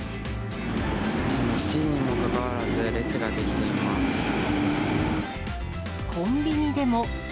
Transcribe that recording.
朝の７時にもかかわらず、コンビニでも。